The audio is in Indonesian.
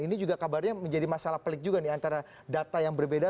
ini juga kabarnya menjadi masalah pelik juga nih antara data yang berbeda